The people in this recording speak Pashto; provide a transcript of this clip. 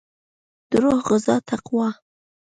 دروح غذا تقوا